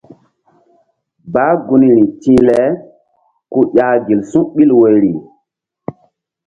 Bah gunri ti̧h le ku ƴah gel su̧ɓil woyri.